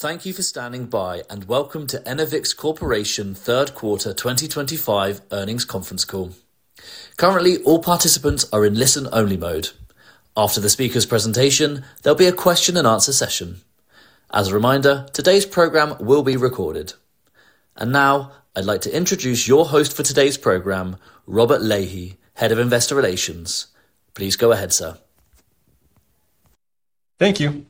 Thank you for standing by, and welcome to Enovix Corporation Third Quarter 2025 Earnings Conference Call. Currently, all participants are in listen-only mode. After the speaker's presentation, there will be a question-and-answer session. As a reminder, today's program will be recorded. Now, I'd like to introduce your host for today's program, Robert Lahey, Head of Investor Relations. Please go ahead, sir. Thank you.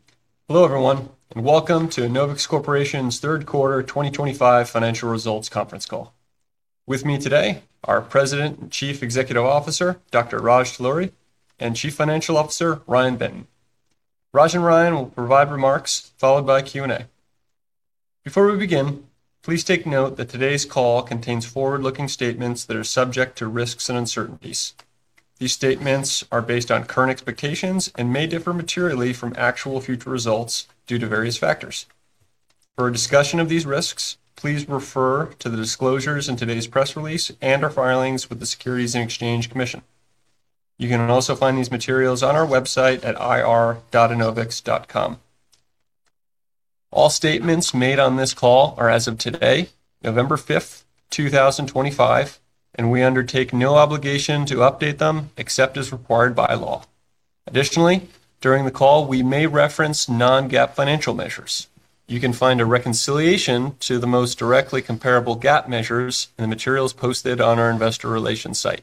Hello, everyone, and welcome to Enovix Corporation's Third Quarter 2025 Financial Results Conference Call. With me today are President and Chief Executive Officer Dr. Raj Talluri and Chief Financial Officer Ryan Benton. Raj and Ryan will provide remarks followed by Q&A. Before we begin, please take note that today's call contains forward-looking statements that are subject to risks and uncertainties. These statements are based on current expectations and may differ materially from actual future results due to various factors. For a discussion of these risks, please refer to the disclosures in today's press release and our filings with the Securities and Exchange Commission. You can also find these materials on our website at ir.enovix.com. All statements made on this call are as of today, November 5th, 2025, and we undertake no obligation to update them except as required by law. Additionally, during the call, we may reference non-GAAP financial measures. You can find a reconciliation to the most directly comparable GAAP measures in the materials posted on our Investor Relations site.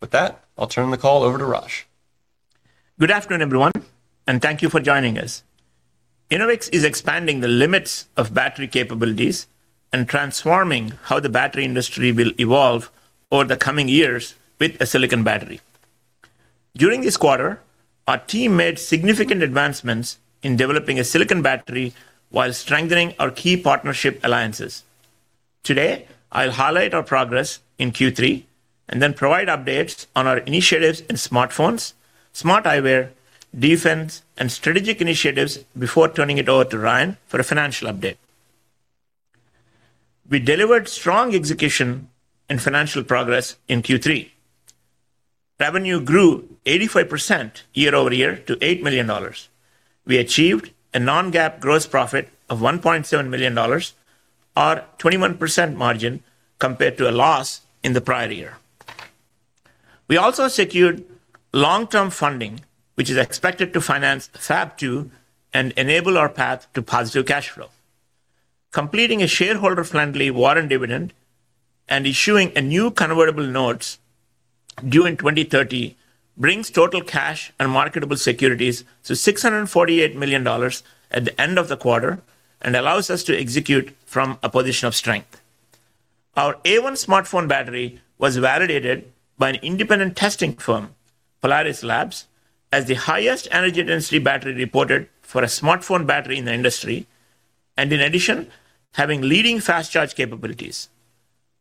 With that, I'll turn the call over to Raj. Good afternoon, everyone, and thank you for joining us. Enovix is expanding the limits of battery capabilities and transforming how the battery industry will evolve over the coming years with a silicon battery. During this quarter, our team made significant advancements in developing a silicon battery while strengthening our key partnership alliances. Today, I'll highlight our progress in Q3 and then provide updates on our initiatives in smartphones, smart eyewear, defense, and strategic initiatives before turning it over to Ryan for a financial update. We delivered strong execution and financial progress in Q3. Revenue grew 85% year-over-year to $8 million. We achieved a non-GAAP gross profit of $1.7 million, or 21% margin compared to a loss in the prior year. We also secured long-term funding, which is expected to finance Fab II and enable our path to positive cash flow. Completing a shareholder-friendly warrant dividend and issuing a new convertible notes due in 2030 brings total cash and marketable securities to $648 million at the end of the quarter and allows us to execute from a position of strength. Our AI1 smartphone battery was validated by an independent testing firm, Polaris Labs, as the highest energy density battery reported for a smartphone battery in the industry, and in addition, having leading fast charge capabilities.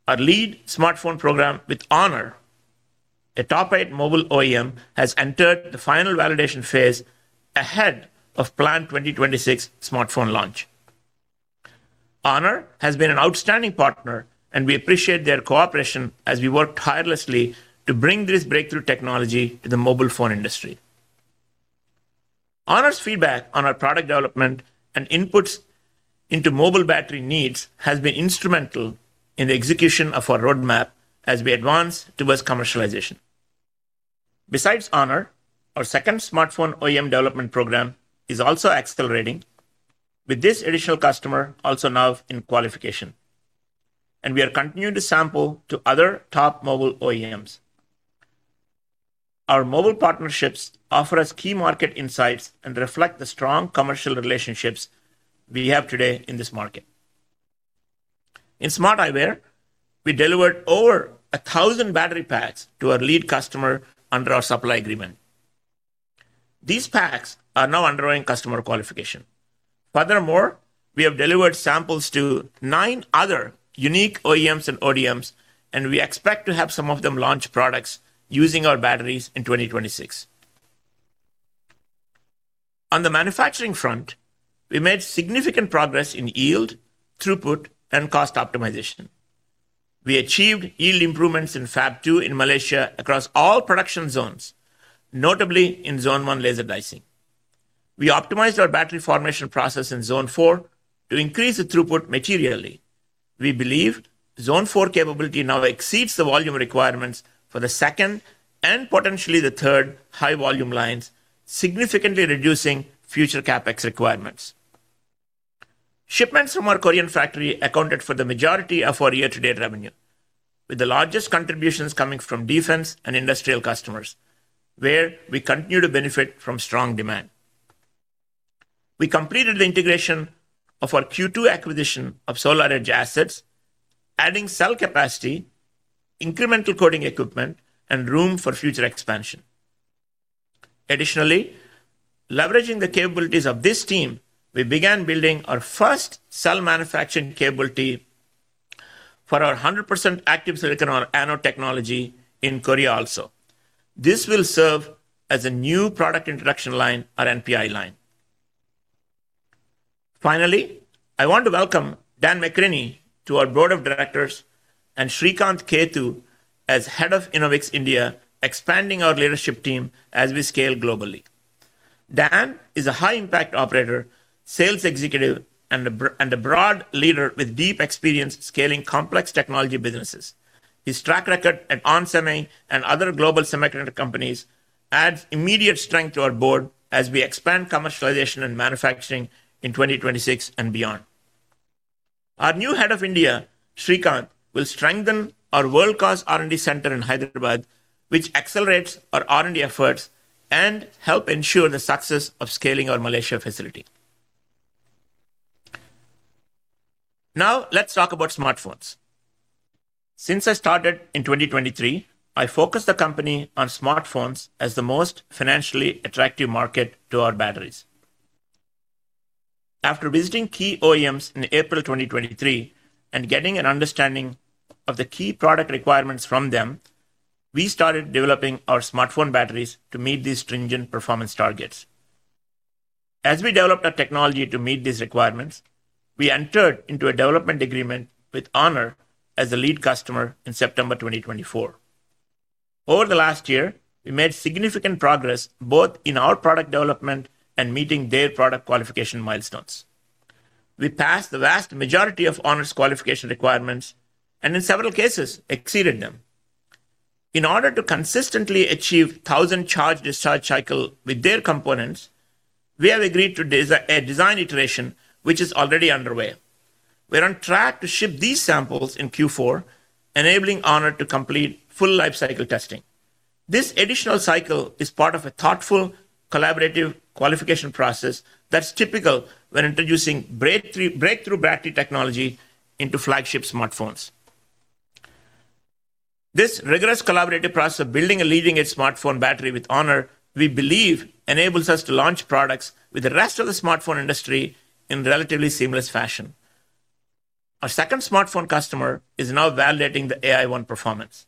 Our lead smartphone program, with Honor, a top-8 mobile OEM, has entered the final validation phase ahead of planned 2026 smartphone launch. Honor has been an outstanding partner, and we appreciate their cooperation as we work tirelessly to bring this breakthrough technology to the mobile phone industry. Honor's feedback on our product development and inputs into mobile battery needs has been instrumental in the execution of our roadmap as we advance towards commercialization. Besides Honor, our second smartphone OEM development program is also accelerating, with this additional customer also now in qualification. We are continuing to sample to other top mobile OEMs. Our mobile partnerships offer us key market insights and reflect the strong commercial relationships we have today in this market. In smart eyewear, we delivered over 1,000 battery packs to our lead customer under our supply agreement. These packs are now undergoing customer qualification. Furthermore, we have delivered samples to nine other unique OEMs and ODMs, and we expect to have some of them launch products using our batteries in 2026. On the manufacturing front, we made significant progress in yield, throughput, and cost optimization. We achieved yield improvements in Fab II in Malaysia across all production zones, notably in Zone 1 laser dicing. We optimized our battery formation process in Zone 4 to increase the throughput materially. We believe Zone 4 capability now exceeds the volume requirements for the second and potentially the third high-volume lines, significantly reducing future CapEx requirements. Shipments from our Korean factory accounted for the majority of our year-to-date revenue, with the largest contributions coming from defense and industrial customers, where we continue to benefit from strong demand. We completed the integration of our Q2 acquisition of SolarEdge assets, adding cell capacity, incremental coating equipment, and room for future expansion. Additionally, leveraging the capabilities of this team, we began building our first cell manufacturing capability for our 100% active silicon anode technology in Korea also. This will serve as a new product introduction line, our NPI line. Finally, I want to welcome Dan McCrinney to our Board of Directors and Shrikanth Kethu as Head of Enovix India, expanding our leadership team as we scale globally. Dan is a high-impact operator, sales executive, and a broad leader with deep experience scaling complex technology businesses. His track record at onsemi and other global semiconductor companies adds immediate strength to our board as we expand commercialization and manufacturing in 2026 and beyond. Our new Head of India, Shrikanth, will strengthen our WorldClass R&D center in Hyderabad, which accelerates our R&D efforts and helps ensure the success of scaling our Malaysia facility. Now, let's talk about smartphones. Since I started in 2023, I focused the company on smartphones as the most financially attractive market to our batteries. After visiting key OEMs in April 2023 and getting an understanding of the key product requirements from them, we started developing our smartphone batteries to meet these stringent performance targets. As we developed our technology to meet these requirements, we entered into a development agreement with Honor as a lead customer in September 2024. Over the last year, we made significant progress both in our product development and meeting their product qualification milestones. We passed the vast majority of Honor's qualification requirements and, in several cases, exceeded them. In order to consistently achieve 1,000 charge-discharge cycles with their components, we have agreed to a design iteration which is already underway. We're on track to ship these samples in Q4, enabling Honor to complete full lifecycle testing. This additional cycle is part of a thoughtful, collaborative qualification process that's typical when introducing breakthrough battery technology into flagship smartphones. This rigorous collaborative process of building a leading-edge smartphone battery with Honor, we believe, enables us to launch products with the rest of the smartphone industry in a relatively seamless fashion. Our second smartphone customer is now validating the AI1 performance.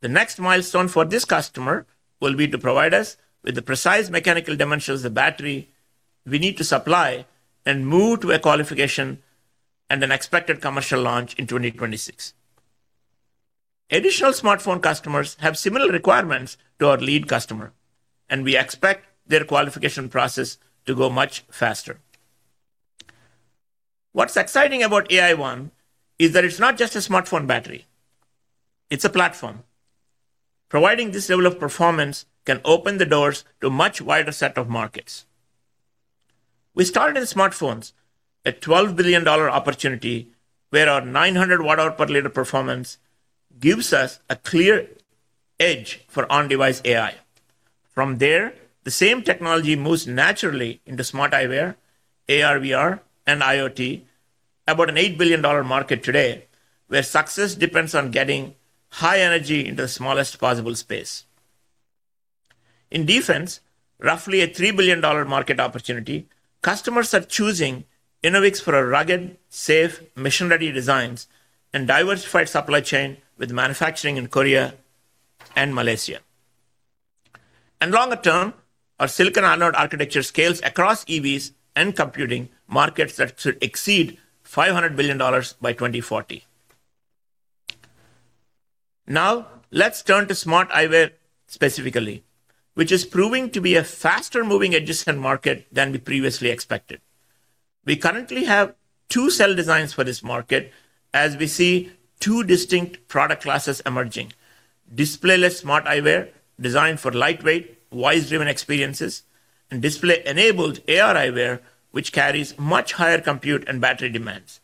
The next milestone for this customer will be to provide us with the precise mechanical dimensions of the battery we need to supply and move to a qualification and an expected commercial launch in 2026. Additional smartphone customers have similar requirements to our lead customer, and we expect their qualification process to go much faster. What's exciting about AI1 is that it's not just a smartphone battery. It's a platform. Providing this level of performance can open the doors to a much wider set of markets. We started in smartphones at a $12 billion opportunity, where our 900 watt-hour per liter performance gives us a clear edge for on-device AI. From there, the same technology moves naturally into smart eyewear, AR/VR, and IoT, about an $8 billion market today, where success depends on getting high energy into the smallest possible space. In defense, roughly a $3 billion market opportunity, customers are choosing Enovix for our rugged, safe, mission-ready designs and diversified supply chain with manufacturing in Korea and Malaysia. Longer term, our silicon anode architecture scales across EVs and computing markets that should exceed $500 billion by 2040. Now, let's turn to smart eyewear specifically, which is proving to be a faster-moving edge-of-scene market than we previously expected. We currently have two cell designs for this market as we see two distinct product classes emerging: display-less smart eyewear designed for lightweight, voice-driven experiences, and display-enabled AR eyewear, which carries much higher compute and battery demands.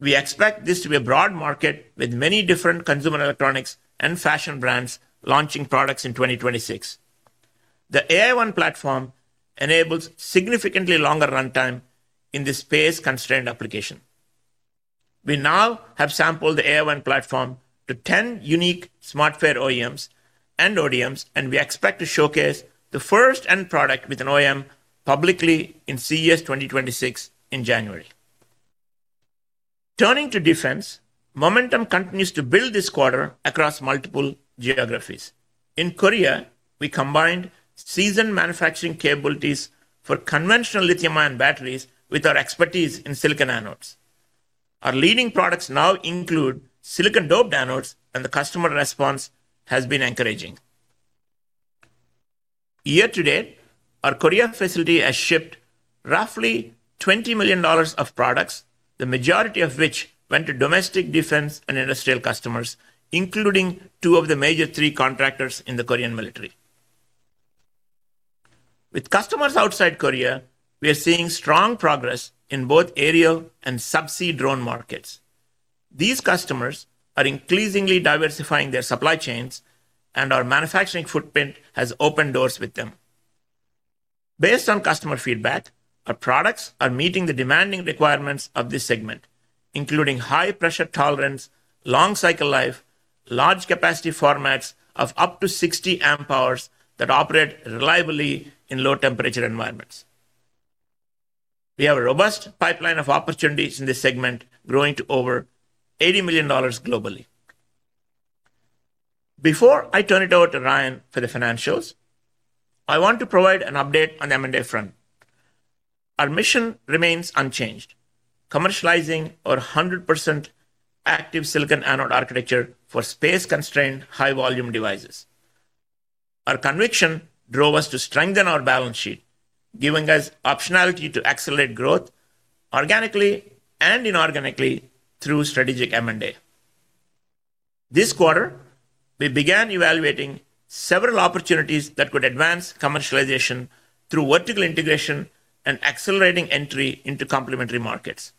We expect this to be a broad market with many different consumer electronics and fashion brands launching products in 2026. The AI1 platform enables significantly longer runtime in this space-constrained application. We now have sampled the AI1 platform to 10 unique smartphone OEMs and ODMs, and we expect to showcase the first end product with an OEM publicly in CES 2026 in January. Turning to defense, momentum continues to build this quarter across multiple geographies. In Korea, we combined seasoned manufacturing capabilities for conventional lithium-ion batteries with our expertise in silicon anodes. Our leading products now include silicon-doped anodes, and the customer response has been encouraging. Year to date, our Korea facility has shipped roughly $20 million of products, the majority of which went to domestic defense and industrial customers, including two of the major three contractors in the Korean military. With customers outside Korea, we are seeing strong progress in both aerial and subsea drone markets. These customers are increasingly diversifying their supply chains, and our manufacturing footprint has opened doors with them. Based on customer feedback, our products are meeting the demanding requirements of this segment, including high-pressure tolerance, long cycle life, and large capacity formats of up to 60 amp-hours that operate reliably in low-temperature environments. We have a robust pipeline of opportunities in this segment, growing to over $80 million globally. Before I turn it over to Ryan for the financials, I want to provide an update on the M&A front. Our mission remains unchanged: commercializing our 100% active silicon anode architecture for space-constrained high-volume devices. Our conviction drove us to strengthen our balance sheet, giving us optionality to accelerate growth organically and inorganically through strategic M&A. This quarter, we began evaluating several opportunities that could advance commercialization through vertical integration and accelerating entry into complementary markets.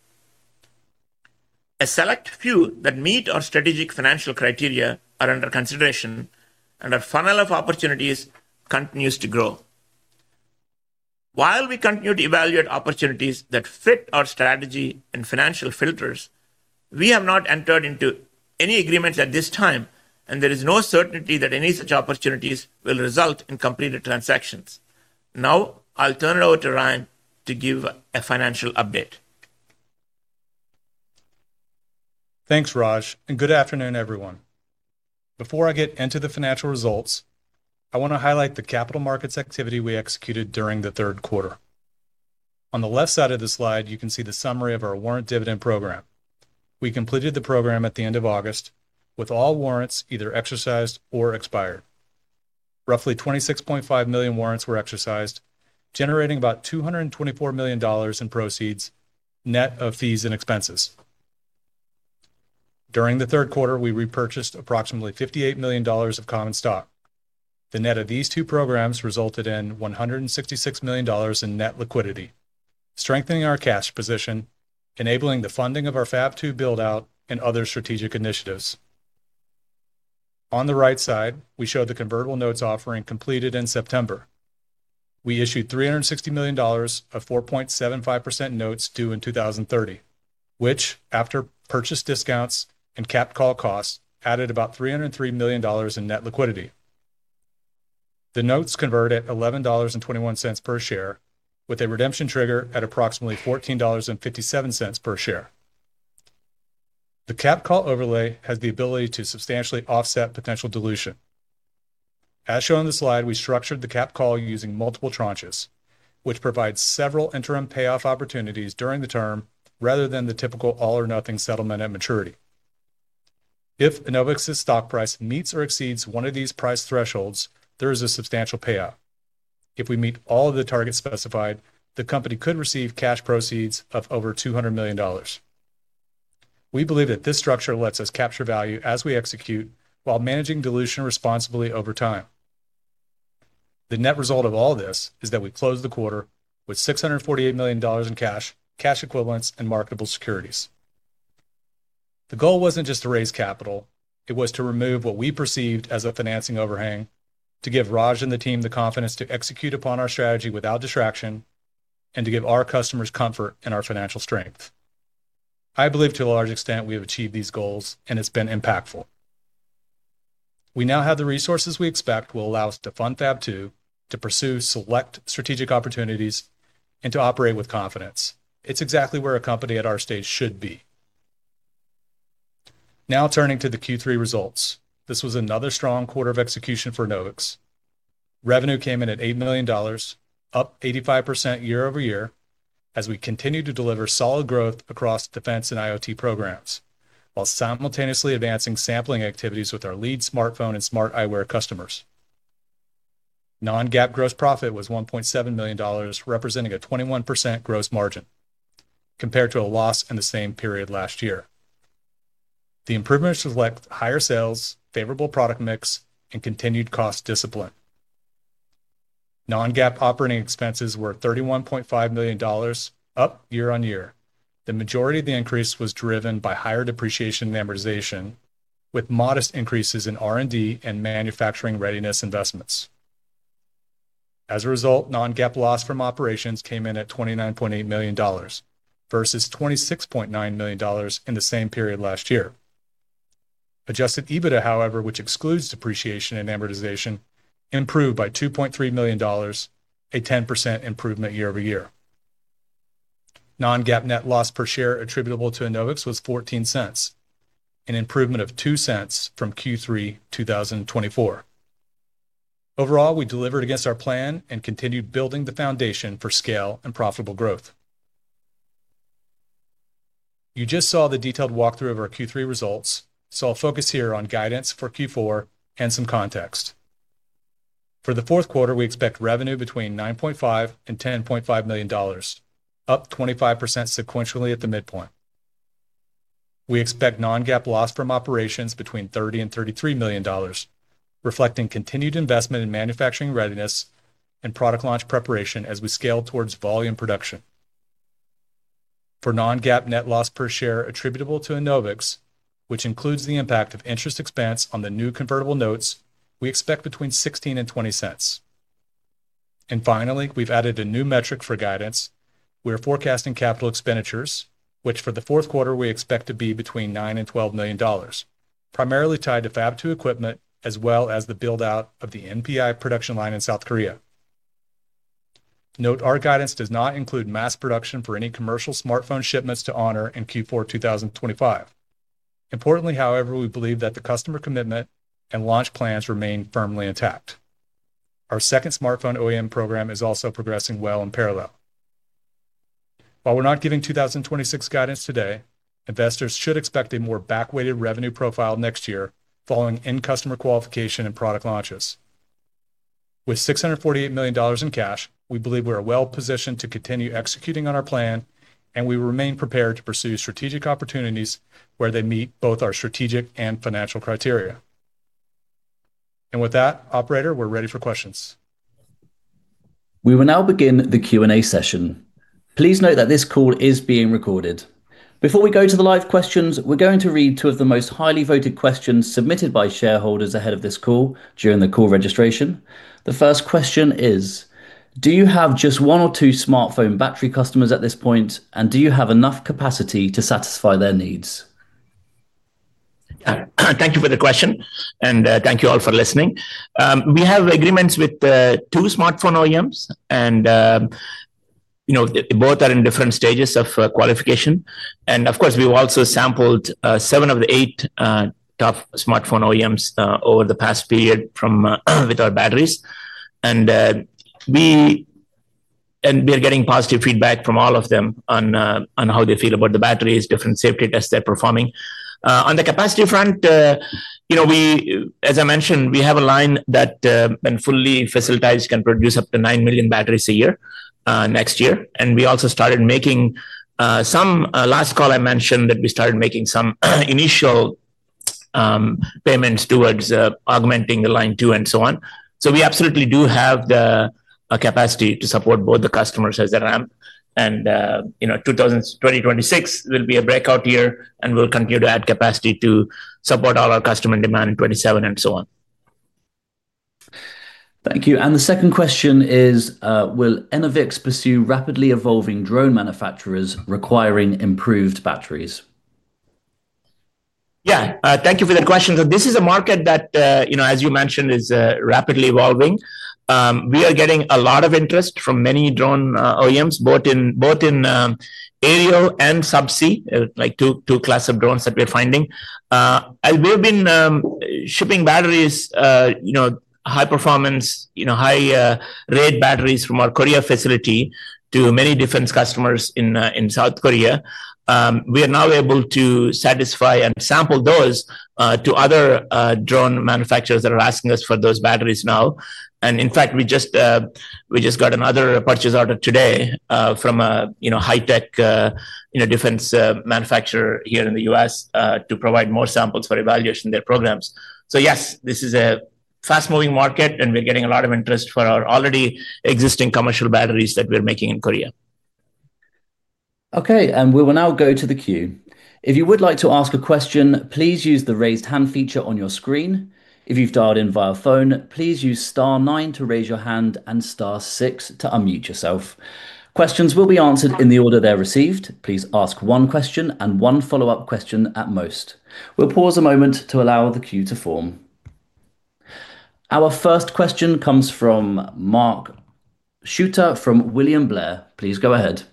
A select few that meet our strategic financial criteria are under consideration, and our funnel of opportunities continues to grow. While we continue to evaluate opportunities that fit our strategy and financial filters, we have not entered into any agreements at this time, and there is no certainty that any such opportunities will result in completed transactions. Now, I'll turn it over to Ryan to give a financial update. Thanks, Raj, and good afternoon, everyone. Before I get into the financial results, I want to highlight the capital markets activity we executed during the third quarter. On the left side of the slide, you can see the summary of our warrant dividend program. We completed the program at the end of August, with all warrants either exercised or expired. Roughly 26.5 million warrants were exercised, generating about $224 million in proceeds net of fees and expenses. During the third quarter, we repurchased approximately $58 million of common stock. The net of these two programs resulted in $166 million in net liquidity, strengthening our cash position, enabling the funding of our Fab II build-out and other strategic initiatives. On the right side, we show the convertible notes offering completed in September. We issued $360 million of 4.75% notes due in 2030, which, after purchase discounts and cap call costs, added about $303 million in net liquidity. The notes convert at $11.21 per share, with a redemption trigger at approximately $14.57 per share. The cap call overlay has the ability to substantially offset potential dilution. As shown on the slide, we structured the cap call using multiple tranches, which provides several interim payoff opportunities during the term rather than the typical all-or-nothing settlement at maturity. If Enovix's stock price meets or exceeds one of these price thresholds, there is a substantial payout. If we meet all of the targets specified, the company could receive cash proceeds of over $200 million. We believe that this structure lets us capture value as we execute while managing dilution responsibly over time. The net result of all this is that we closed the quarter with $648 million in cash, cash equivalents, and marketable securities. The goal was not just to raise capital; it was to remove what we perceived as a financing overhang, to give Raj and the team the confidence to execute upon our strategy without distraction, and to give our customers comfort and our financial strength. I believe, to a large extent, we have achieved these goals, and it's been impactful. We now have the resources we expect will allow us to fund Fab II, to pursue select strategic opportunities, and to operate with confidence. It's exactly where a company at our stage should be. Now, turning to the Q3 results, this was another strong quarter of execution for Enovix. Revenue came in at $8 million, up 85% year-over-year, as we continued to deliver solid growth across defense and IoT programs while simultaneously advancing sampling activities with our lead smartphone and smart eyewear customers. Non-GAAP gross profit was $1.7 million, representing a 21% gross margin compared to a loss in the same period last year. The improvements reflect higher sales, favorable product mix, and continued cost discipline. Non-GAAP operating expenses were $31.5 million, up year-on-year. The majority of the increase was driven by higher depreciation and amortization, with modest increases in R&D and manufacturing readiness investments. As a result, non-GAAP loss from operations came in at $29.8 million, versus $26.9 million in the same period last year. Adjusted EBITDA, however, which excludes depreciation and amortization, improved by $2.3 million, a 10% improvement year-over-year. Non-GAAP net loss per share attributable to Enovix was $0.14, an improvement of $0.02 from Q3 2024. Overall, we delivered against our plan and continued building the foundation for scale and profitable growth. You just saw the detailed walkthrough of our Q3 results, so I'll focus here on guidance for Q4 and some context. For the fourth quarter, we expect revenue between $9.5-$10.5 million, up 25% sequentially at the midpoint. We expect non-GAAP loss from operations between $30 million and $33 million, reflecting continued investment in manufacturing readiness and product launch preparation as we scale towards volume production. For non-GAAP net loss per share attributable to Enovix, which includes the impact of interest expense on the new convertible notes, we expect between $0.16 and $0.20. Finally, we've added a new metric for guidance. We are forecasting capital expenditures, which for the fourth quarter we expect to be between $9 million and $12 million, primarily tied to Fab II equipment as well as the build-out of the NPI production line in South Korea. Note, our guidance does not include mass production for any commercial smartphone shipments to Honor in Q4 2025. Importantly, however, we believe that the customer commitment and launch plans remain firmly intact. Our second smartphone OEM program is also progressing well in parallel. While we're not giving 2026 guidance today, investors should expect a more back-weighted revenue profile next year, following in-customer qualification and product launches. With $648 million in cash, we believe we are well-positioned to continue executing on our plan, and we remain prepared to pursue strategic opportunities where they meet both our strategic and financial criteria. With that, Operator, we're ready for questions. We will now begin the Q&A session. Please note that this call is being recorded. Before we go to the live questions, we're going to read two of the most highly voted questions submitted by shareholders ahead of this call during the call registration. The first question is, do you have just one or two smartphone battery customers at this point, and do you have enough capacity to satisfy their needs? Thank you for the question, and thank you all for listening. We have agreements with two smartphone OEMs. Both are in different stages of qualification. Of course, we've also sampled seven of the eight top smartphone OEMs over the past period with our batteries. We are getting positive feedback from all of them on how they feel about the batteries, different safety tests they're performing. On the capacity front, as I mentioned, we have a line that, when fully facilitized, can produce up to 9 million batteries a year next year. We also started making, some last call, I mentioned that we started making some initial payments towards augmenting the line two and so on. We absolutely do have the capacity to support both the customers as they're at. 2026 will be a breakout year, and we'll continue to add capacity to support all our customer demand in 2027 and so on. Thank you. The second question is, will Enovix pursue rapidly evolving drone manufacturers requiring improved batteries? Thank you for that question. This is a market that, as you mentioned, is rapidly evolving. We are getting a lot of interest from many drone OEMs, both in aerial and subsea, like two class of drones that we're finding. We have been shipping batteries, high-performance, high-rate batteries from our Korea facility to many defense customers in South Korea. We are now able to satisfy and sample those to other drone manufacturers that are asking us for those batteries now. In fact, we just got another purchase order today from a high-tech defense manufacturer here in the US to provide more samples for evaluation of their programs. Yes, this is a fast-moving market, and we're getting a lot of interest for our already existing commercial batteries that we're making in Korea. Okay, and we will now go to the queue. If you would like to ask a question, please use the raised hand feature on your screen. If you've dialed in via phone, please use *9 to raise your hand and *6 to unmute yourself. Questions will be answered in the order they're received. Please ask one question and one follow-up question at most. We'll pause a moment to allow the queue to form. Our first question comes from Mark Schmitt from William Blair. Please go ahead.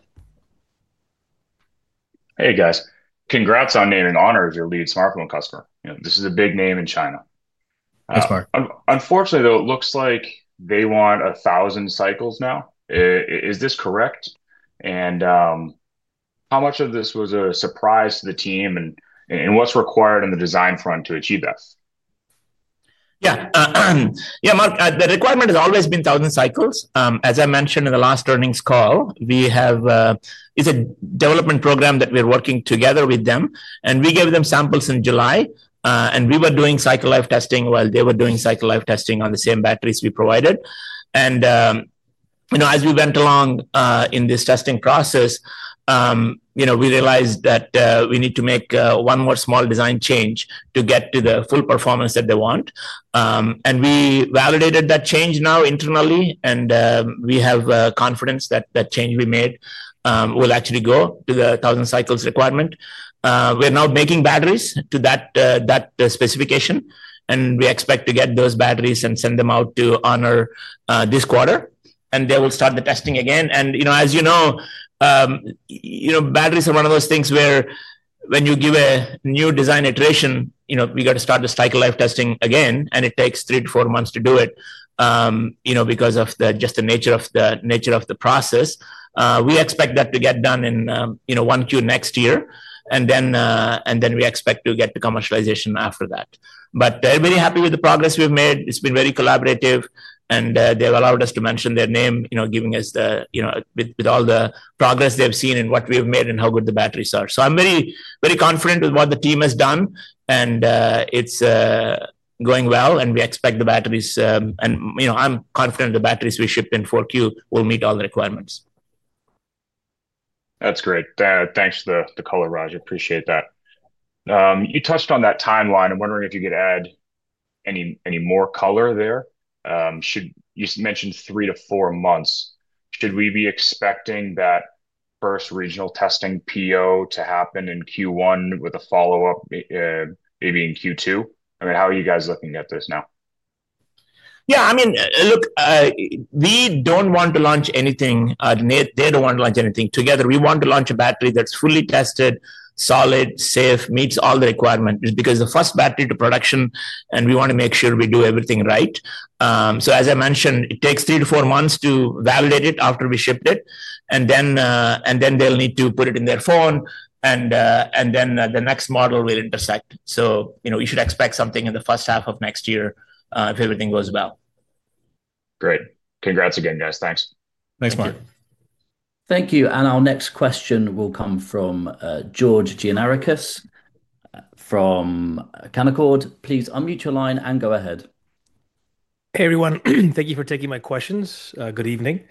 Congrats on naming Honor as your lead smartphone customer. This is a big name in China. Thanks, Mark. Unfortunately, though, it looks like they want 1,000 cycles now. Is this correct? How much of this was a surprise to the team, and what's required on the design front to achieve that? Mark, the requirement has always been 1,000 cycles. As I mentioned in the last earnings call. It's a development program that we're working together with them. We gave them samples in July, and we were doing cycle life testing while they were doing cycle life testing on the same batteries we provided. As we went along in this testing process, we realized that we need to make one more small design change to get to the full performance that they want. We validated that change now internally, and we have confidence that that change we made will actually go to the 1,000 cycles requirement. We're now making batteries to that specification, and we expect to get those batteries and send them out to Honor this quarter. They will start the testing again. As you know. Batteries are one of those things where when you give a new design iteration, we got to start the cycle life testing again, and it takes three to four months to do it because of just the nature of the process. We expect that to get done in one Q next year, and then we expect to get the commercialization after that. They're very happy with the progress we've made. It's been very collaborative, and they've allowed us to mention their name, giving us the—with all the progress they've seen and what we've made and how good the batteries are. I'm very confident with what the team has done, and it's going well, and we expect the batteries, and I'm confident the batteries we shipped in four Q will meet all the requirements. That's great. Thanks for the color, Raj. I appreciate that. You touched on that timeline. I'm wondering if you could add any more color there. You mentioned three to four months. Should we be expecting that first regional testing PO to happen in Q1 with a follow-up, maybe in Q2? I mean, how are you guys looking at this now? I mean, look. We do not want to launch anything. They do not want to launch anything together. We want to launch a battery that is fully tested, solid, safe, meets all the requirements because the first battery to production, and we want to make sure we do everything right. As I mentioned, it takes three to four months to validate it after we shipped it. Then they will need to put it in their phone, and then the next model will intersect. You should expect something in the first half of next year if everything goes well. Great. Congrats again, guys. Thanks. Thanks, Mark. Thank you. Our next question will come from George Gianarikas from Canaccord. Please unmute your line and go ahead. Hey, everyone. Thank you for taking my questions. Good evening.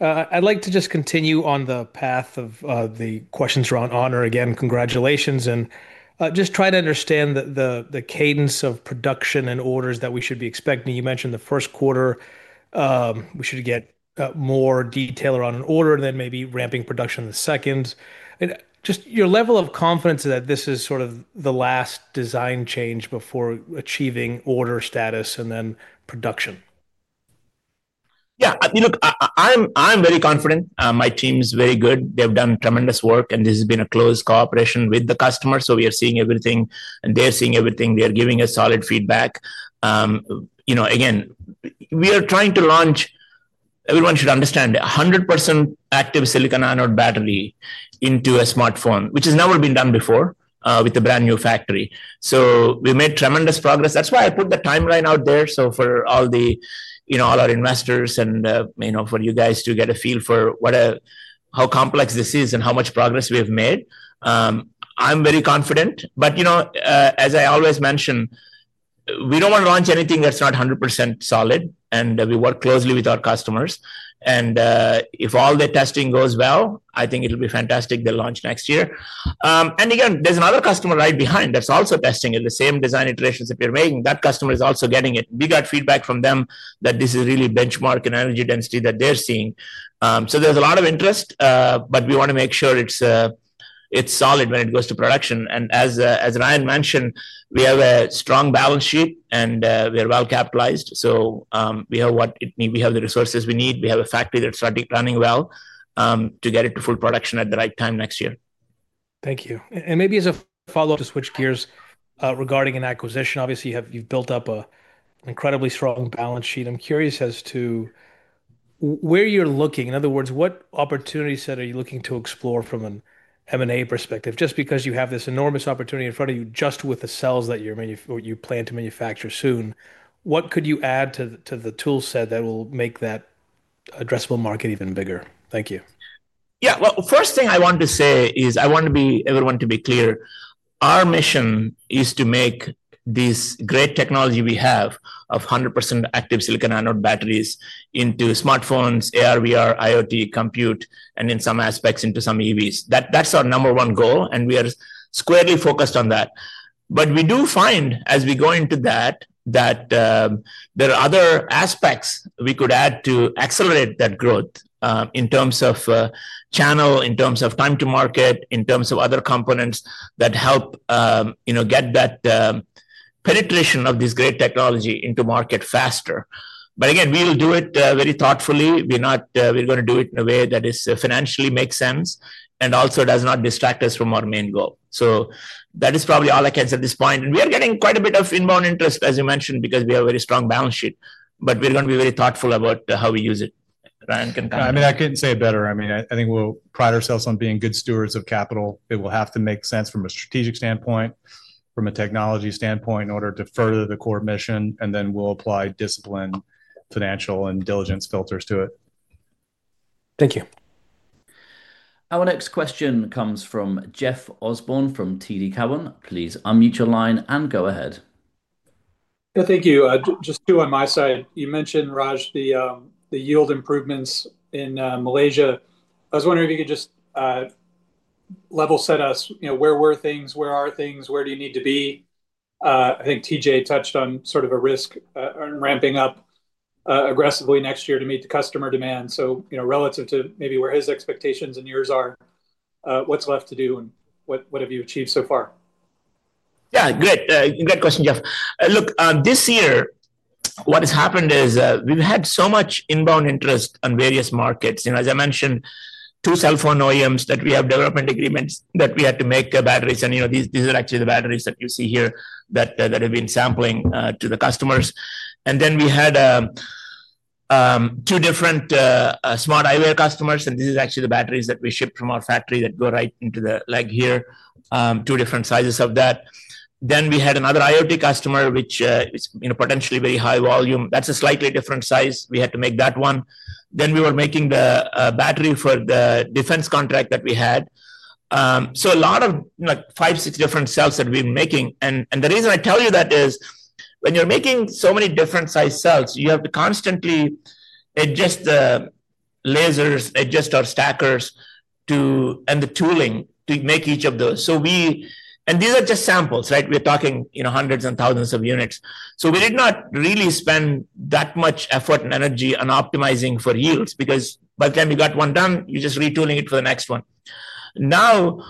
I'd like to just continue on the path of the questions around Honor again. Congratulations. I just want to try to understand the cadence of production and orders that we should be expecting. You mentioned the first quarter. We should get more detail around an order and then maybe ramping production in the second. Just your level of confidence that this is sort of the last design change before achieving order status and then production. I mean, look, I'm very confident. My team is very good. They've done tremendous work, and this has been a close cooperation with the customers. We are seeing everything, and they're seeing everything. They're giving us solid feedback. Again, we are trying to launch—everyone should understand—100% active silicon anode battery into a smartphone, which has never been done before with a brand new factory. We made tremendous progress. That is why I put the timeline out there, for all our investors and for you guys to get a feel for how complex this is and how much progress we have made. I am very confident. We do not want to launch anything that is not 100% solid, and we work closely with our customers. If all their testing goes well, I think it will be fantastic they launch next year. There is another customer right behind that is also testing it, the same design iterations that we are making. That customer is also getting it. We got feedback from them that this is really benchmark in energy density that they are seeing. There is a lot of interest, but we want to make sure it is solid when it goes to production. As Ryan mentioned, we have a strong balance sheet, and we are well-capitalized. We have what we need. We have the resources we need. We have a factory that is running well to get it to full production at the right time next year. Thank you. Maybe as a follow-up to switch gears regarding an acquisition, obviously, you have built up an incredibly strong balance sheet. I am curious as to where you are looking. In other words, what opportunities are you looking to explore from an M&A perspective? Just because you have this enormous opportunity in front of you just with the cells that you plan to manufacture soon, what could you add to the toolset that will make that addressable market even bigger? Thank you. The first thing I wanted to say is I want everyone to be clear. Our mission is to make this great technology we have of 100% active silicon anode batteries into smartphones, AR/VR, IoT, compute, and in some aspects into some EVs. That is our number one goal, and we are squarely focused on that. We do find, as we go into that, that there are other aspects we could add to accelerate that growth in terms of channel, in terms of time to market, in terms of other components that help get that penetration of this great technology into market faster. We will do it very thoughtfully. We are going to do it in a way that financially makes sense and also does not distract us from our main goal. That is probably all I can say at this point. We are getting quite a bit of inbound interest, as you mentioned, because we have a very strong balance sheet. We are going to be very thoughtful about how we use it. Ryan can comment. I mean, I could not say it better. I think we will pride ourselves on being good stewards of capital. It will have to make sense from a strategic standpoint, from a technology standpoint in order to further the core mission. We will apply discipline, financial, and diligence filters to it. Thank you. Our next question comes from Jeff Osborne from TD Cowen. Please unmute your line and go ahead. Thank you. Just two on my side. You mentioned, Raj, the yield improvements in Malaysia. I was wondering if you could just level set us where things are, where are things, where do you need to be. I think TJ touched on sort of a risk ramping up aggressively next year to meet the customer demand. Relative to maybe where his expectations and yours are, what's left to do and what have you achieved so far? Good question, Jeff. Look, this year, what has happened is we've had so much inbound interest on various markets. As I mentioned, two cell phone OEMs that we have development agreements with that we had to make batteries. These are actually the batteries that you see here that have been sampling to the customers. We had two different smart eyewear customers. These are actually the batteries that we ship from our factory that go right into the leg here, two different sizes of that. We had another IoT customer, which is potentially very high volume. That's a slightly different size. We had to make that one. Then we were making the battery for the defense contract that we had. A lot of five, six different cells that we've been making. The reason I tell you that is when you're making so many different size cells, you have to constantly adjust the lasers, adjust our stackers, and the tooling to make each of those. These are just samples, right? We're talking hundreds and thousands of units. We did not really spend that much effort and energy on optimizing for yields because by the time you got one done, you're just retooling it for the next one. Now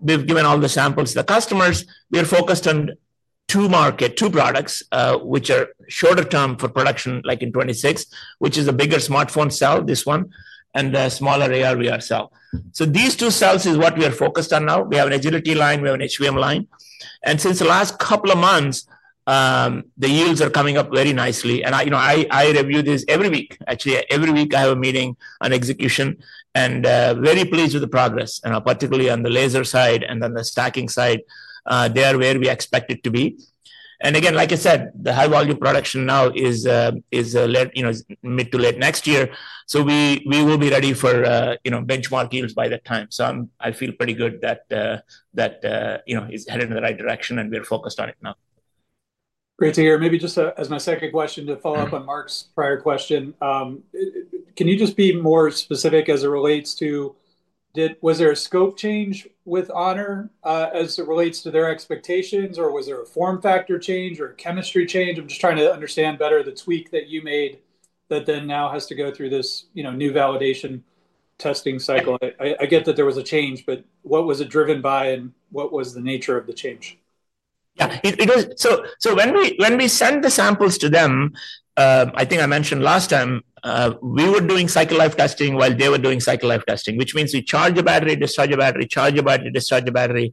we've given all the samples to the customers. We are focused on two markets, two products, which are shorter term for production, like in 2026, which is a bigger smartphone cell, this one, and a smaller AR/VR cell. These two cells are what we are focused on now. We have an agility line. We have an HVM line. Since the last couple of months, the yields are coming up very nicely. I review this every week. Actually, every week, I have a meeting, an execution, and I am very pleased with the progress, particularly on the laser side and on the stacking side. They are where we expect them to be. Like I said, the high volume production now is mid to late next year. We will be ready for benchmark yields by that time. I feel pretty good that it's headed in the right direction, and we're focused on it now. Great to hear. Maybe just as my second question to follow up on Mark's prior question, can you just be more specific as it relates to. Was there a scope change with Honor as it relates to their expectations, or was there a form factor change or a chemistry change? I'm just trying to understand better the tweak that you made that then now has to go through this new validation testing cycle. I get that there was a change, but what was it driven by, and what was the nature of the change? When we sent the samples to them, I think I mentioned last time, we were doing cycle life testing while they were doing cycle life testing, which means we charge a battery, discharge a battery, charge a battery, discharge a battery.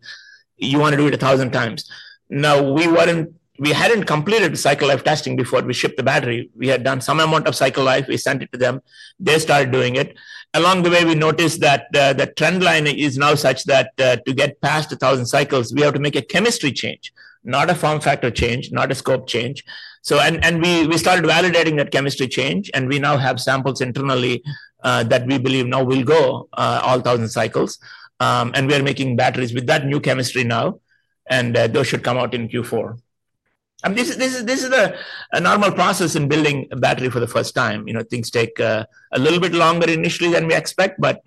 You want to do it a thousand times. Now, we hadn't completed cycle life testing before we shipped the battery. We had done some amount of cycle life. We sent it to them. They started doing it. Along the way, we noticed that the trend line is now such that to get past 1,000 cycles, we have to make a chemistry change, not a form factor change, not a scope change. I mean, we started validating that chemistry change, and we now have samples internally that we believe now will go all 1,000 cycles. We are making batteries with that new chemistry now, and those should come out in Q4. I mean, this is a normal process in building a battery for the first time. Things take a little bit longer initially than we expect, but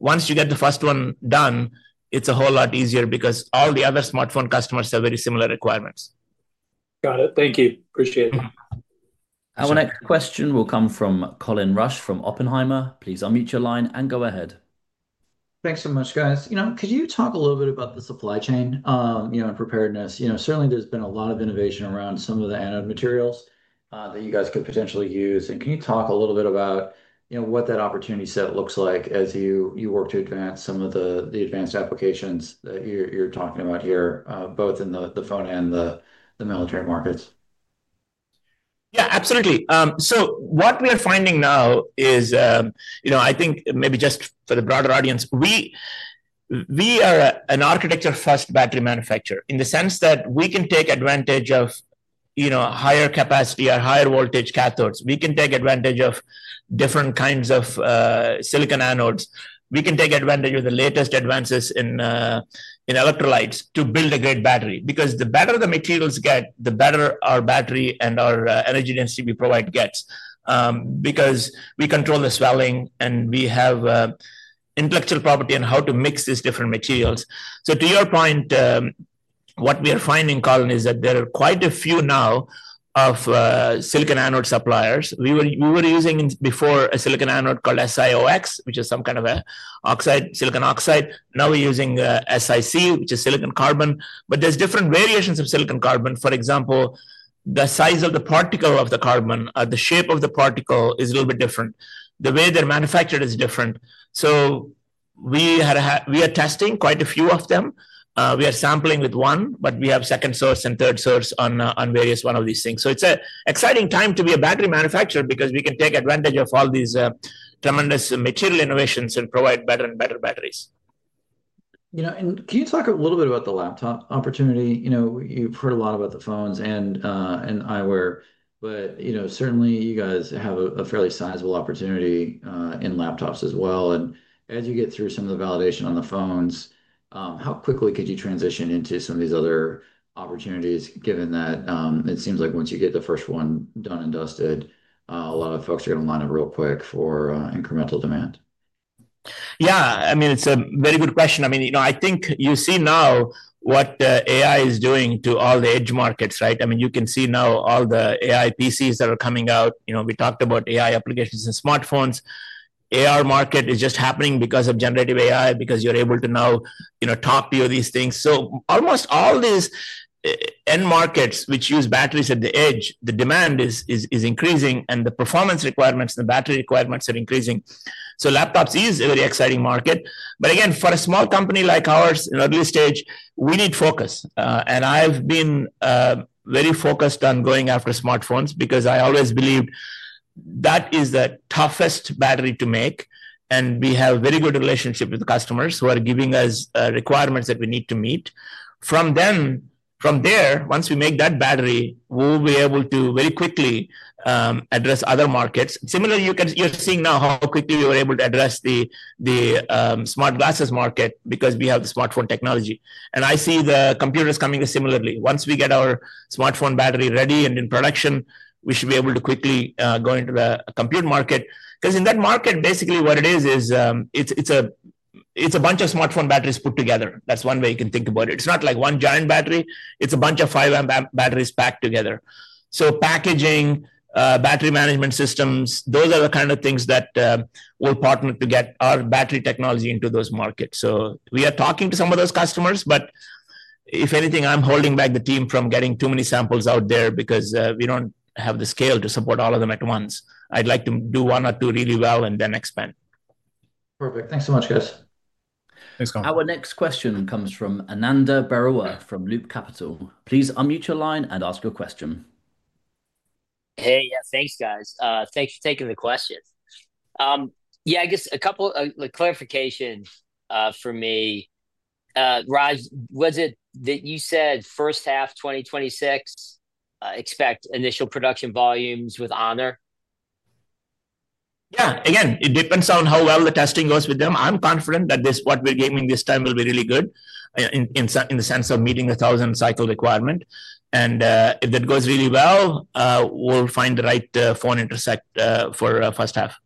once you get the first one done, it's a whole lot easier because all the other smartphone customers have very similar requirements. Got it. Thank you. Appreciate it. Our next question will come from Colin Rusch from Oppenheimer. Please unmute your line and go ahead. Thanks so much, guys. Could you talk a little bit about the supply chain and preparedness? Certainly, there's been a lot of innovation around some of the anode materials that you guys could potentially use. Can you talk a little bit about what that opportunity set looks like as you work to advance some of the advanced applications that you're talking about here, both in the phone and the military markets? Absolutely. What we are finding now is, I think maybe just for the broader audience, we are an architecture-first battery manufacturer in the sense that we can take advantage of higher capacity or higher voltage cathodes. We can take advantage of different kinds of silicon anodes. We can take advantage of the latest advances in. Electrolytes to build a great battery because the better the materials get, the better our battery and our energy density we provide gets because we control the swelling, and we have intellectual property on how to mix these different materials. To your point, what we are finding, Colin, is that there are quite a few now of silicon anode suppliers. We were using before a silicon anode called SiOX, which is some kind of a silicon oxide. Now we are using SiC, which is silicon carbon. There are different variations of silicon carbon. For example, the size of the particle of the carbon, the shape of the particle is a little bit different. The way they are manufactured is different. We are testing quite a few of them. We are sampling with one, but we have second source and third source on various one of these things. It's an exciting time to be a battery manufacturer because we can take advantage of all these tremendous material innovations and provide better and better batteries. Can you talk a little bit about the laptop opportunity? You've heard a lot about the phones and iWare, but certainly, you guys have a fairly sizable opportunity in laptops as well. As you get through some of the validation on the phones, how quickly could you transition into some of these other opportunities, given that it seems like once you get the first one done and dusted, a lot of folks are going to line up real quick for incremental demand? I mean, it's a very good question. I think you see now what AI is doing to all the edge markets, right? You can see now all the AI PCs that are coming out. We talked about AI applications in smartphones. AR market is just happening because of generative AI, because you're able to now talk to these things. Almost all these end markets, which use batteries at the edge, the demand is increasing, and the performance requirements and the battery requirements are increasing. Laptops is a very exciting market. Again, for a small company like ours in early stage, we need focus. I've been very focused on going after smartphones because I always believed that is the toughest battery to make. We have a very good relationship with the customers who are giving us requirements that we need to meet. From there, once we make that battery, we'll be able to very quickly address other markets. Similarly, you're seeing now how quickly we were able to address the smart glasses market because we have the smartphone technology. I see the computers coming similarly. Once we get our smartphone battery ready and in production, we should be able to quickly go into the compute market because in that market, basically, what it is, is it's a bunch of smartphone batteries put together. That's one way you can think about it. It's not like one giant battery. It's a bunch of 5 amp batteries packed together. Packaging, battery management systems, those are the kind of things that we'll partner to get our battery technology into those markets. We are talking to some of those customers, but if anything, I'm holding back the team from getting too many samples out there because we don't have the scale to support all of them at once. I'd like to do one or two really well and then expand. Perfect. Thanks so much, guys. Thanks, Colin. Our next question comes from Ananda Baruah from Loop Capital. Please unmute your line and ask your question. Thanks, guys. Thanks for taking the question. I guess a couple of clarifications for me. Raj, was it that you said first half 2026? Expect initial production volumes with Honor? Again, it depends on how well the testing goes with them. I'm confident that what we're gaming this time will be really good. In the sense of meeting a 1,000 cycle requirement. If that goes really well, we'll find the right phone intersect for first half.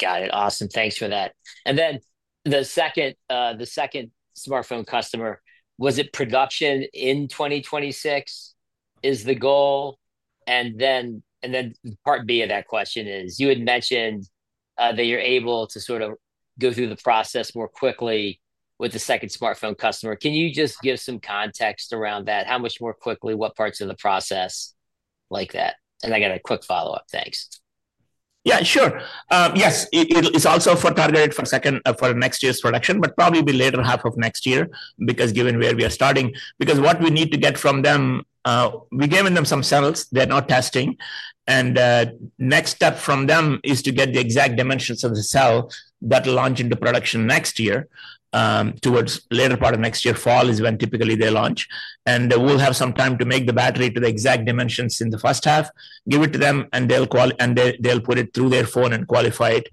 Got it. Awesome. Thanks for that. And then the second smartphone customer, was it production in 2026 is the goal? Part B of that question is you had mentioned that you're able to sort of go through the process more quickly with the second smartphone customer. Can you just give some context around that? How much more quickly, what parts of the process. Like that? And I got a quick follow-up. Thanks. Yeah, sure. Yes. It's also targeted for next year's production, but probably be later half of next year given where we are starting. Because what we need to get from them, we're giving them some cells. They're not testing. Next step from them is to get the exact dimensions of the cell that launch into production next year. Towards later part of next year, fall is when typically they launch. We'll have some time to make the battery to the exact dimensions in the first half, give it to them, and they'll put it through their phone and qualify it.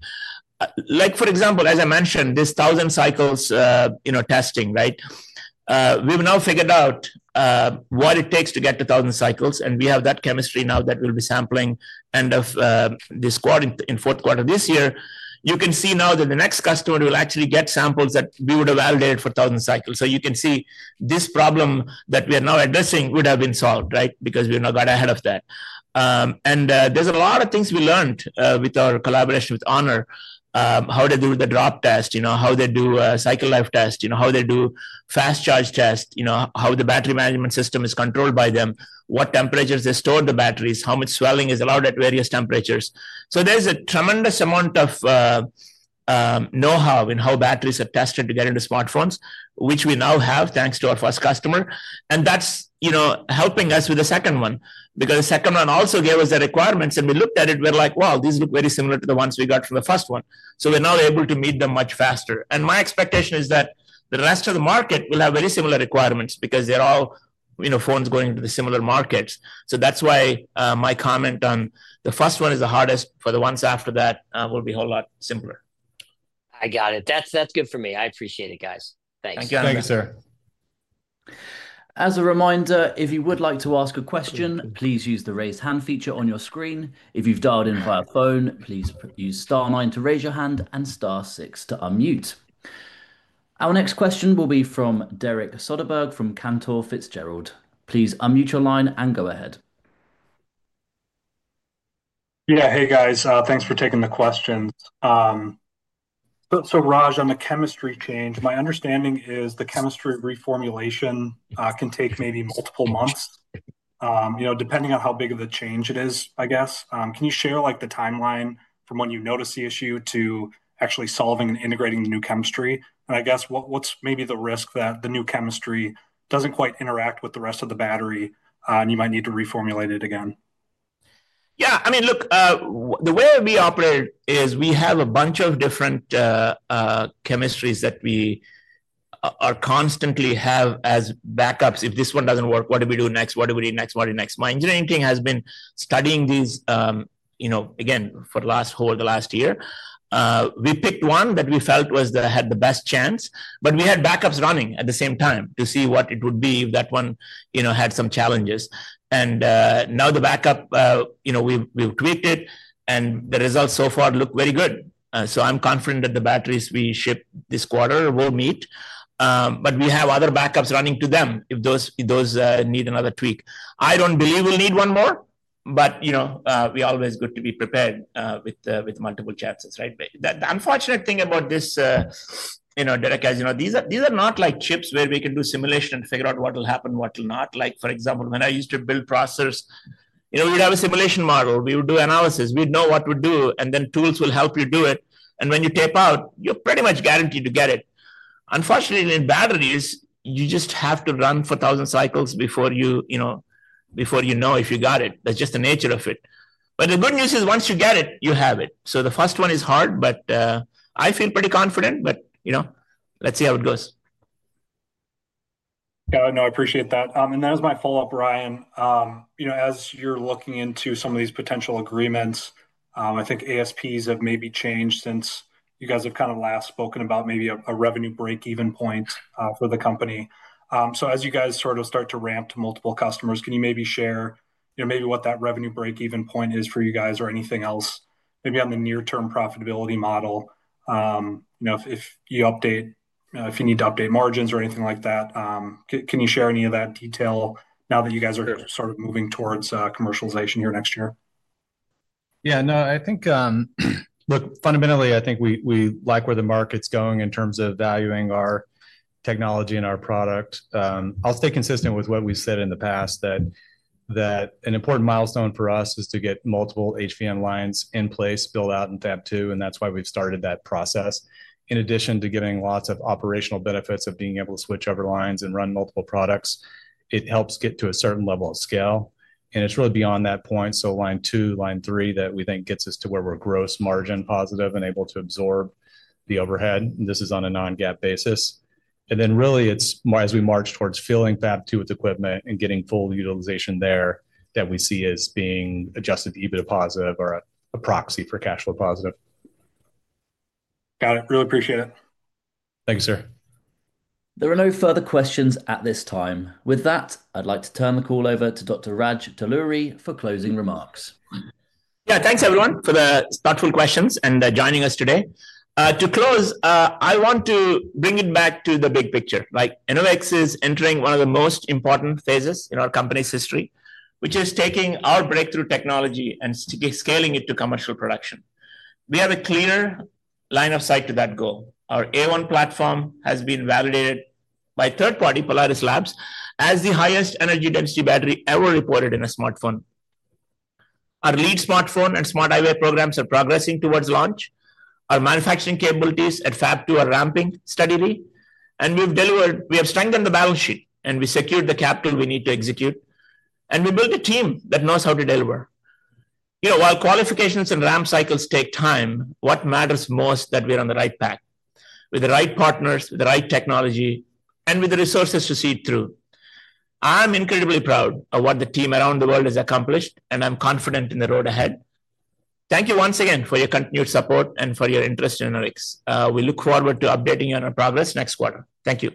For example, as I mentioned, this 1,000 cycles testing, right? We've now figured out what it takes to get to 1,000 cycles. We have that chemistry now that we'll be sampling end of this quarter, in fourth quarter this year. You can see now that the next customer will actually get samples that we would have validated for 1,000 cycles. You can see this problem that we are now addressing would have been solved, right? Because we've now got ahead of that. There are a lot of things we learned with our collaboration with Honor. How they do the drop test, how they do a cycle life test, how they do fast charge test, how the battery management system is controlled by them, what temperatures they store the batteries, how much swelling is allowed at various temperatures. There is a tremendous amount of know-how in how batteries are tested to get into smartphones, which we now have thanks to our first customer. That is helping us with the second one because the second one also gave us the requirements. We looked at it and were like, "Wow, these look very similar to the ones we got from the first one." We are now able to meet them much faster. My expectation is that the rest of the market will have very similar requirements because they are all phones going into similar markets. That is why my comment on the first one is the hardest. For the ones after that, it will be a whole lot simpler. I got it. That is good for me. I appreciate it, guys. Thanks. Thank you. Thank you, sir. As a reminder, if you would like to ask a question, please use the raise hand feature on your screen. If you've dialed in via phone, please use star nine to raise your hand and star six to unmute. Our next question will be from Derek Soderberg from Cantor Fitzgerald. Please unmute your line and go ahead. Thanks for taking the questions. So Raj, on the chemistry change, my understanding is the chemistry reformulation can take maybe multiple months. Depending on how big of a change it is, I guess. Can you share the timeline from when you noticed the issue to actually solving and integrating the new chemistry? I guess what's maybe the risk that the new chemistry doesn't quite interact with the rest of the battery, and you might need to reformulate it again? I mean, look, the way we operate is we have a bunch of different chemistries that we are constantly have as backups. If this one doesn't work, what do we do next? What do we do next? My engineering team has been studying these, again, for the last whole last year. We picked one that we felt had the best chance, but we had backups running at the same time to see what it would be if that one had some challenges. Now the backup, we've tweaked it, and the results so far look very good. I'm confident that the batteries we ship this quarter will meet. We have other backups running to them if those need another tweak. I don't believe we'll need one more, but we're always good to be prepared with multiple chances, right? The unfortunate thing about this. Derek, as you know, these are not like chips where we can do simulation and figure out what will happen, what will not. For example, when I used to build processors, we'd have a simulation model. We would do analysis. We'd know what we'd do, and then tools will help you do it. When you tape out, you're pretty much guaranteed to get it. Unfortunately, in batteries, you just have to run for 1,000 cycles before you know if you got it. That's just the nature of it. The good news is once you get it, you have it. The first one is hard, but I feel pretty confident, but let's see how it goes. No, I appreciate that. That was my follow-up, Ryan. As you're looking into some of these potential agreements, I think ASPs have maybe changed since you guys have kind of last spoken about maybe a revenue break-even point for the company. As you guys sort of start to ramp to multiple customers, can you maybe share maybe what that revenue break-even point is for you guys or anything else, maybe on the near-term profitability model? If you need to update margins or anything like that, can you share any of that detail now that you guys are sort of moving towards commercialization here next year? No, I think. Look, fundamentally, I think we like where the market's going in terms of valuing our technology and our product. I'll stay consistent with what we've said in the past that. An important milestone for us is to get multiple HVM lines in place, build out in Fab II, and that is why we have started that process. In addition to giving lots of operational benefits of being able to switch over lines and run multiple products, it helps get to a certain level of scale. It is really beyond that point. Line two, line three, that we think gets us to where we are gross margin positive and able to absorb the overhead. This is on a non-GAAP basis. It is as we march towards filling Fab II with equipment and getting full utilization there that we see as being Adjusted EBITDA positive or a proxy for cash flow positive. Got it. Really appreciate it. Thank you, sir. There are no further questions at this time. With that, I would like to turn the call over to Dr. Raj Talluri for closing remarks. Thanks, everyone, for the thoughtful questions and joining us today. To close, I want to bring it back to the big picture. Anyway, this is entering one of the most important phases in our company's history, which is taking our breakthrough technology and scaling it to commercial production. We have a clear line of sight to that goal. Our AI1 platform has been validated by third-party Polaris Labs as the highest energy density battery ever reported in a smartphone. Our lead smartphone and smart eyewear programs are progressing towards launch. Our manufacturing capabilities at Fab II are ramping steadily. We have strengthened the balance sheet, and we secured the capital we need to execute. We built a team that knows how to deliver. While qualifications and ramp cycles take time, what matters most is that we are on the right path with the right partners, with the right technology, and with the resources to see it through. I'm incredibly proud of what the team around the world has accomplished, and I'm confident in the road ahead. Thank you once again for your continued support and for your interest in Enovix. We look forward to updating you on our progress next quarter. Thank you.